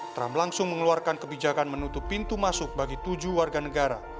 trump langsung mengeluarkan kebijakan menutup pintu masuk bagi tujuh warga negara